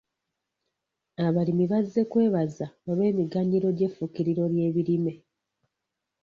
Abalimi bazze kwebaza olw'emiganyulo gy'effukiriro ly'ebirime.